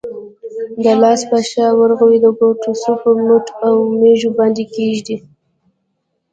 د لاس په شا، ورغوي، د ګوتو څوکو، مټ او اورمیږ باندې کېږدئ.